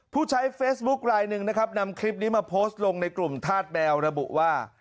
ผู้ใช้เฟซบุ๊คลายหนึ่งนะครับนำคลิปนี้มาโพสต์ลงในกลุ่มธาตุแมวระบุว่า